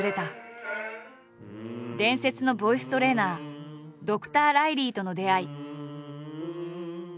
伝説のボイストレーナードクター・ライリーとの出会い。